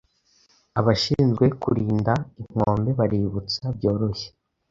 Abashinzwe kurinda inkombe baributsa byoroshye